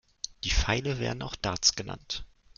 Die Pfeile werden auch Darts genannt.